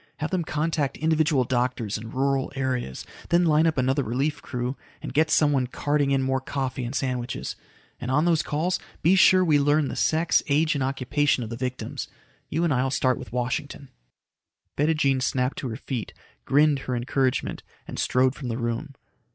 Have them contact individual doctors in rural areas. Then line up another relief crew, and get somebody carting in more coffee and sandwiches. And on those calls, be sure we learn the sex, age, and occupation of the victims. You and I'll start with Washington." Bettijean snapped to her feet, grinned her encouragement and strode from the room.